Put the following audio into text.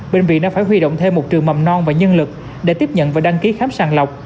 bệnh viện đã phải huy động thêm một trường mầm non và nhân lực để tiếp nhận và đăng ký khám sàng lọc